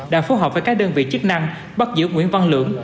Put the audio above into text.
đã phối hợp với các đơn vị chức năng bắt giữ nguyễn văn lưỡng